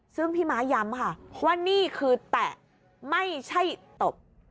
ซึ่งพี่ม้าย้ำค่ะว่านี่คือแตะไม่ใช่ตบ